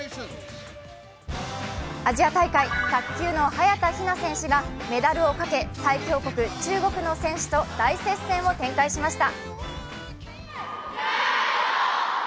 アジア大会、卓球の早田ひな選手がメダルをかけ、最強国・中国の選手と大接戦を展開しました。